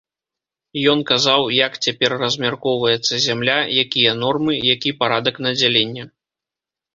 Ён казаў, як цяпер размяркоўваецца зямля, якія нормы, які парадак надзялення.